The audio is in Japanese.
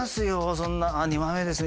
そんな「ああ二枚目ですね